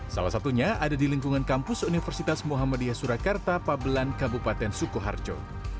salah satunya ada di lingkungan kampus universitas muhammadiyah surakarta pabelan kabupaten sukoharjo